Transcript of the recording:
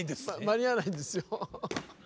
間に合わないんですよ。